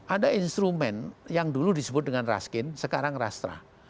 ada instrumen yang dulu disebut dengan raskin sekarang rastra